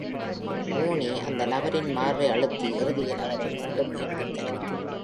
Mooney அந்த நபரின் மார்பை அழுத்தி, இறுதியில் அவரை மீண்டும் உயிர்ப்பித்தார்.